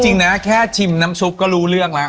จริงนะแค่ชิมน้ำซุปก็รู้เรื่องแล้ว